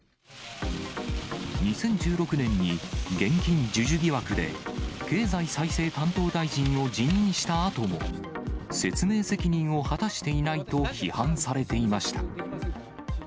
２０１６年に、現金授受疑惑で経済再生担当大臣を辞任したあとも、説明責任を果たしていないと批判されていました。